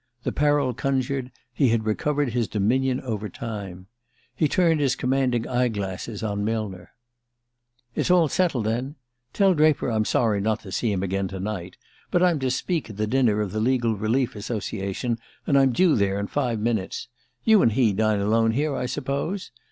The peril conjured, he had recovered his dominion over time. He turned his commanding eye glasses on Millner. "It's all settled, then? Tell Draper I'm sorry not to see him again to night but I'm to speak at the dinner of the Legal Relief Association, and I'm due there in five minutes. You and he dine alone here, I suppose?